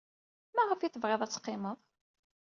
Maɣef ay tebɣid ad teqqimed?